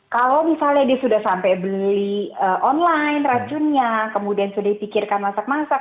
kalau misalnya dia sudah sampai beli online racunnya kemudian sudah dipikirkan masak masak